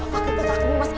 paket paket aku mas